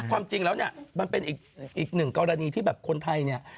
ความจริงแล้วเนี่ยมันเป็นอีกหนึ่งกรณีที่แบบคนไทยเนี่ย